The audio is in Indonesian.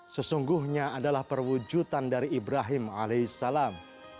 sesungguhnya adalah perwujudan dari ibrahim alaihissalam